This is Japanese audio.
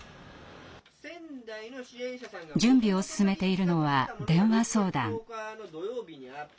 準備を進めているのは電話相談。